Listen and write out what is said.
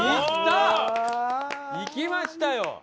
いきましたよ！